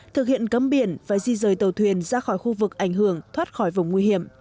thực hiện cấm biển và di rời tàu thuyền ra khỏi khu vực ảnh hưởng thoát khỏi vùng nguy hiểm